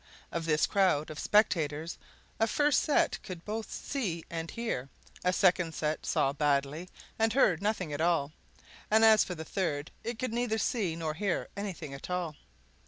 Of this crowd of spectators a first set could both see and hear; a second set saw badly and heard nothing at all; and as for the third, it could neither see nor hear anything at all.